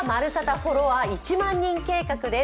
フォロワー１００００人計画」です。